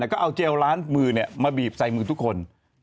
ก็เอาเจลล้างมือมาบีบใส่มือทุกคน